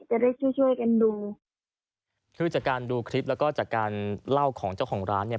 จะได้ช่วยช่วยกันดูคือจากการดูคลิปแล้วก็จากการเล่าของเจ้าของร้านเนี่ย